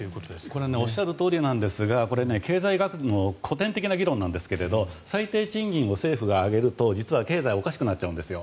これはおっしゃるとおりなんですが経済学での古典的な議論ですが最低賃金を政府が上げると実は経済はおかしくなっちゃうんです。